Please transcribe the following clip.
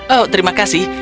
oh terima kasih